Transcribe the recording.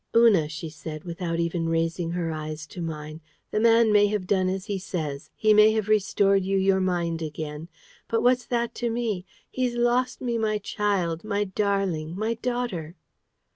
"Una," she said, without even raising her eyes to mine, "the man may have done as he says: he may have restored you your mind again; but what's that to me? He's lost me my child, my darling, my daughter!"